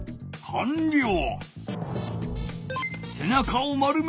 かんりょう！